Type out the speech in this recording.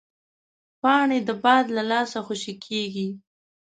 پاڼې د باد له لاسه خوشې کېږي